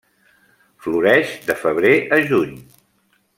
Floreix de febrer a juny.